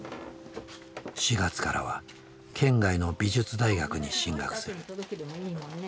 ４月からは県外の美術大学に進学する。